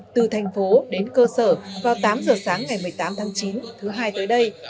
từ thành phố đến cơ sở vào tám giờ sáng ngày một mươi tám tháng chín thứ hai tới đây